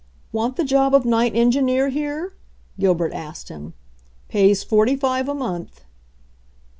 "Want the job of night engineer here?" Gil bert asked him. "Pays forty five a month."